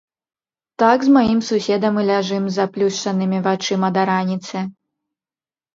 Так з маім суседам і ляжым з заплюшчанымі вачыма да раніцы.